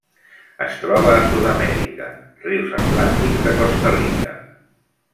Es troba a Sud-amèrica: rius atlàntics de Costa Rica.